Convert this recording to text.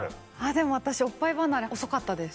でも私おっぱい離れ遅かったです。